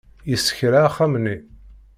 Yessekra axxam-nni.